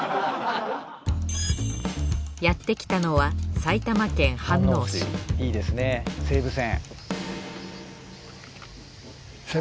やってきたのはいいですね西武線。